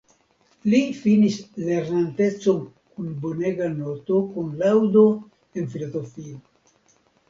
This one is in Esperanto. Li finis lernantecon kun bonega noto kun laŭdo en filozofio.